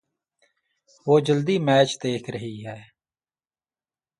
وہ جلدی میچ دیکھ رہی ہے۔